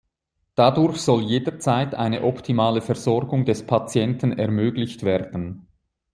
Dadurch soll jederzeit eine optimale Versorgung des Patienten ermöglicht werden.